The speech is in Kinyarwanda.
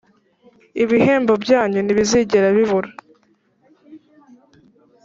ibihembo byanyu ntibizigera bibura